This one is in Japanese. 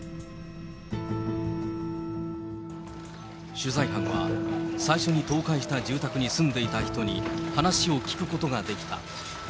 取材班は、最初に倒壊した住宅に住んでいた人に話を聞くことができた。